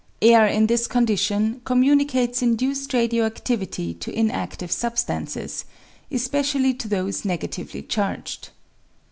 Air in this condition communicates induced radio adivity to inadive substances, especially to those negatively charged.